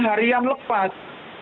hari yang lepas